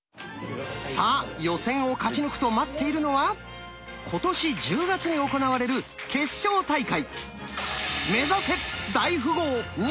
さあ予選を勝ち抜くと待っているのは今年１０月に行われる決勝大会。